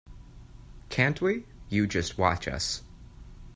Can't we? You just watch us.